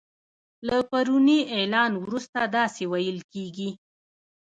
له پروني اعلان وروسته داسی ویل کیږي